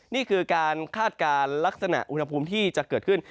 นี่คือการคาดการณ์ลักษณะอุณหภูมิที่จะเกิดขึ้น